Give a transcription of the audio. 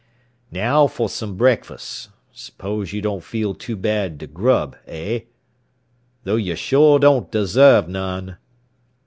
"Now for some breakfast. Suppose you don't feel too bad to grub, eh? Though you sure don't deserve none."